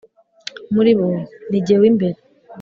muri bo ni jye w’imbere.